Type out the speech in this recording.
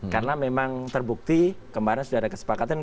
karena memang terbukti kemarin sudah ada kesepakatan